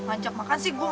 ancak makan sih gue mau